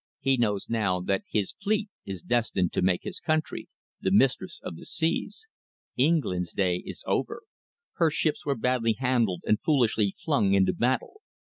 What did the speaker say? He knows now that his fleet is destined to make his country the mistress of the seas. England's day is over. Her ships were badly handled and foolishly flung into battle.